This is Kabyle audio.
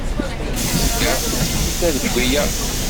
Nezga d tiyita deg wiyaḍ.